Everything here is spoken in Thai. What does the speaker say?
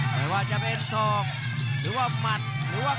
อย่าหลวนนะครับที่เตือนทางด้านยอดปรับศึกครับ